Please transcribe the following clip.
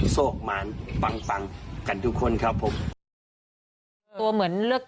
โศกหมานปังกันทุกคนครับผม